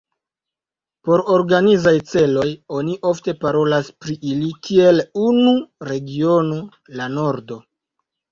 Por organizaj celoj, oni ofte parolas pri ili kiel unu regiono, La Nordo.